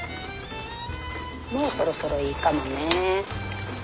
もうそろそろいいかもね。